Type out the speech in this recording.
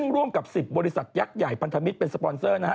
ร่วมกับ๑๐บริษัทยักษ์ใหญ่พันธมิตรเป็นสปอนเซอร์นะฮะ